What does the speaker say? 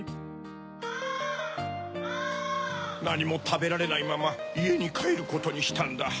カァカァなにもたべられないままいえにかえることにしたんだ。